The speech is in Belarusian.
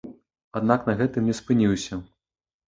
Аднак на гэтым не спыніўся.